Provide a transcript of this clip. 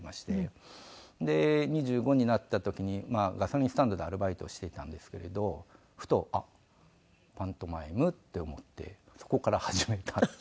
２５になった時にまあガソリンスタンドでアルバイトをしていたんですけれどふとあっパントマイムって思ってそこから始めたんです。